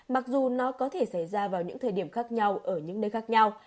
mặc dù nó có thể xảy ra vào những thời điểm khác nhau ở những nơi khác nhau